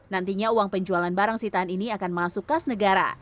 nantinya uang penjualan barang sitaan ini akan masuk kas negara